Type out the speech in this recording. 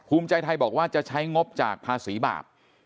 ภูมิใจไทยบอกว่าจะใช้งบจากภาษีบาป